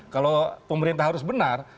kalau pemerintah harus benar